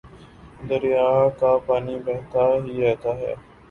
دریا کا پانی بہتا ہی رہتا ہے